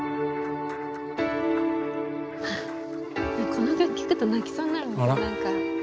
この曲聴くと泣きそうになるんですよ何か。